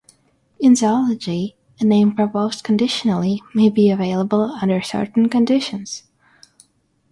In zoology, a name proposed conditionally may be available under certain conditions.